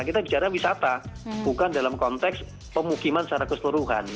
kita bicara wisata bukan dalam konteks pemukiman secara keseluruhan